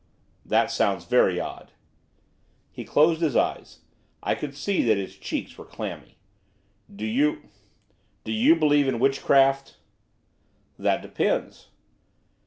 'That sounds very odd.' He closed his eyes. I could see that his cheeks were clammy. 'Do you do you believe in witchcraft?' 'That depends.